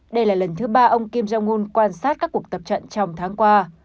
đây là lần thứ ba ông kim jong un quan sát các cuộc tập trận trong tháng qua